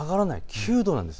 ９度なんです。